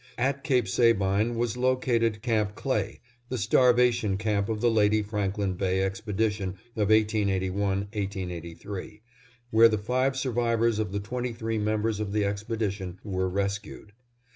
At Cape Sabine was located Camp Clay, the starvation camp of the Lady Franklin Bay expedition of 1881 1883, where the five survivors of the twenty three members of the expedition were rescued.